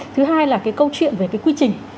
thứ hai là cái câu chuyện về cái quy trình